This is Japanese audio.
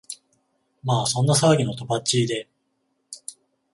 まあそんな騒ぎの飛ばっちりで、